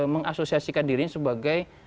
mengasosiasikan dirinya sebagai